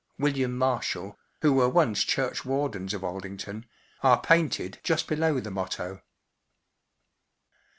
(William Mar¬ shall), who were once churchwardens of Aldington, are painted just below the motto.